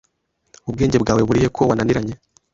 Ubwenge bwawe burihe ko wananiranye?